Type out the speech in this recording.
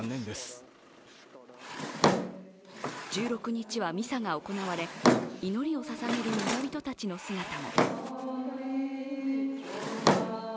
１６日はミサが行われ、祈りをささげる村人たちの姿も。